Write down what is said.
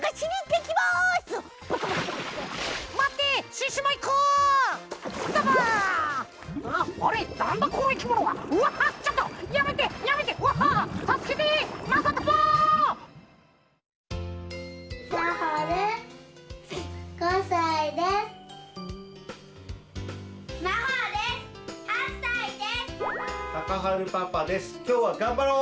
きょうはがんばろう！